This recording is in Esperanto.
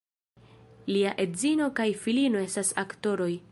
Lia edzino kaj filino estas aktoroj.